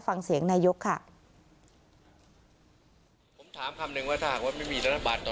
ฟังเสียงนายกค่ะ